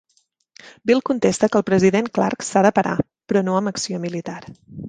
Bill contesta que el president Clark s'ha de parar, però no amb acció militar.